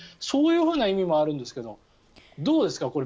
そういう意味もあるんですけどどうですか